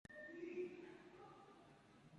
Mati je sedela v dvorani.